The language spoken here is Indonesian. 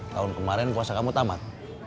tahun kemarin puasa kamu tamat